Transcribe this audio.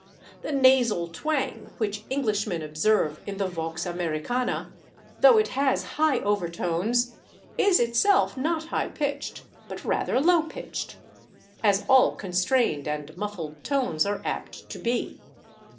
The nasal twang which Englishmen observe in the /vox Americana/, though it has high overtones, is itself not high pitched, but rather low pitched, as all constrained and muffled tones are apt to be.